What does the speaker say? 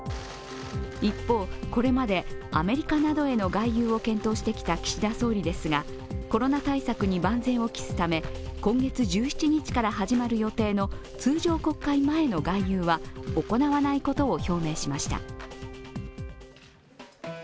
一方、これまでアメリカなどへの外遊を検討してきた岸田総理ですがコロナ対策に万全を期すため今月１７日から始まる予定の通常国会前の外遊は行わないことを表明しました。